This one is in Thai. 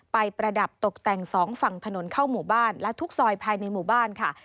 ประดับตกแต่งสองฝั่งถนนเข้าหมู่บ้านและทุกซอยภายในหมู่บ้านค่ะ